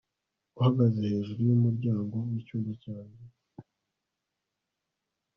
uhagaze hejuru yumuryango wicyumba cyanjye